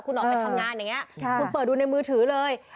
คุณออกไปทำงานอย่างนี้คุณเปิดดูในมือถือเลย